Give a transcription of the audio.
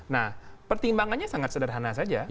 nah pertimbangannya sangat sederhana saja